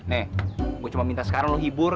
nek gue cuma minta sekarang lo hibur